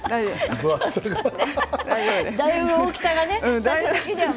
だいぶ、大きさがね。